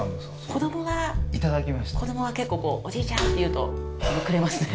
子どもが結構こう「おじいちゃん！」って言うとくれますね。